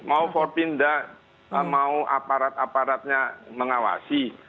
mau forpinda mau aparat aparatnya mengawasi